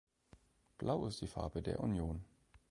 Blau ist die Farbe der Union.